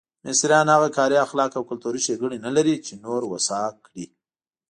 مصریان هغه کاري اخلاق او کلتوري ښېګڼې نه لري چې نور هوسا کړي.